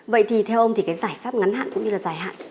vậy thì theo ông thì cái giải pháp ngắn hạn cũng như là dài hạn